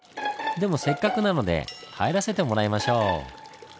でもせっかくなので入らせてもらいましょう。